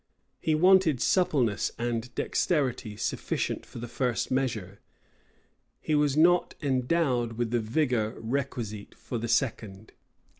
He wanted suppleness and dexterity sufficient for the first measure; he was nor endowed with the vigor requisite for the second.